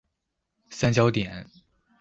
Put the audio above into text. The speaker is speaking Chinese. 三角点。